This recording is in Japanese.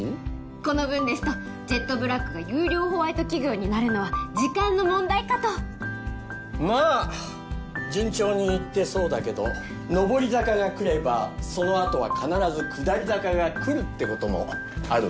この分ですとジェットブラックが優良ホワイト企業になるのは時間の問題かとまあ順調にいってそうだけど上り坂が来ればそのあとは必ず下り坂が来るってこともあるわよね